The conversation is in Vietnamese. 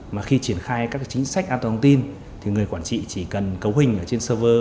mà khi triển khai các chính sách an toàn thông tin thì người quản trị chỉ cần cấu hình ở trên server